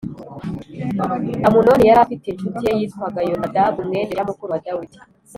Amunoni yari afite incuti ye yitwaga Yonadabu mwene Shimeya mukuru wa Dawidi